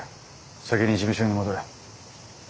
先に事務所に戻れ。